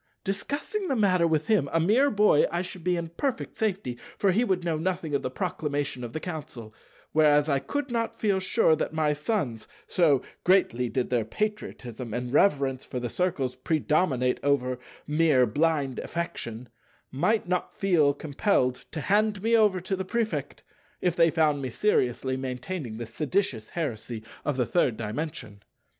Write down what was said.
Discussing the matter with him, a mere boy, I should be in perfect safety; for he would know nothing of the Proclamation of the Council; whereas I could not feel sure that my Sons—so greatly did their patriotism and reverence for the Circles predominate over mere blind affection—might not feel compelled to hand me over to the Prefect, if they found me seriously maintaining the seditious heresy of the Third Dimension.